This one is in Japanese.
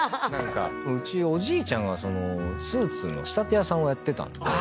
うちおじいちゃんがスーツの仕立て屋さんをやってたんで。